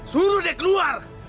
suruh dia keluar